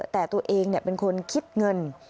แต่ตัวเองเป็นคนคิดเงิน